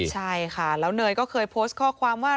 ใช่ค่ะแล้วเนยก็เคยโพสต์ข้อความว่า